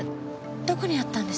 どこにあったんです？